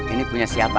ini punya siapa